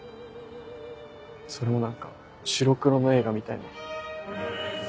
それも何か白黒の映画みたいな。